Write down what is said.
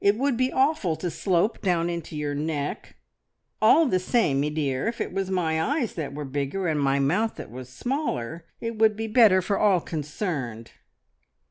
"It would be awful to slope down into your neck. All the same, me dear, if it was my eyes that were bigger, and my mouth that was smaller, it would be better for all concerned."